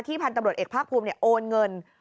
พันธุ์ตำรวจเอกภาคภูมิโอนเงิน